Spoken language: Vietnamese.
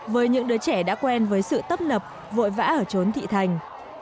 với những đứa trẻ đã quen với sự tấp nập vội vã ở trốn thị thành